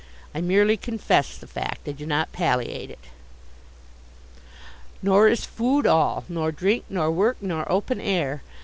I merely confess the fact. I do not palliate it. Nor is food all, nor drink, nor work, nor open air.